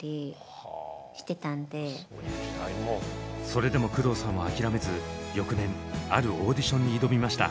それでも工藤さんは諦めず翌年あるオーディションに挑みました。